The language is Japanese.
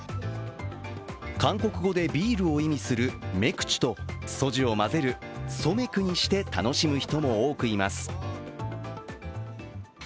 韓国語でビールを意味するメクチュとソジュを混ぜるソメクにして楽しむ人も多くいます。